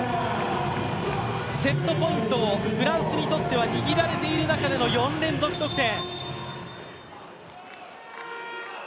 セットポイント、フランスにとっては握られている中での４連続得点。